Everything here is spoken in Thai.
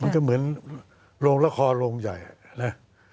ก็เหมือนโรงละครโรงใหญ่นะ